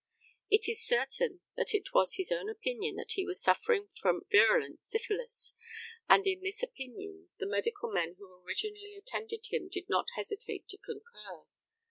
It is certain that it was his own opinion that he was suffering from virulent syphilis, and in this opinion the medical men who originally attended him did not hesitate to concur.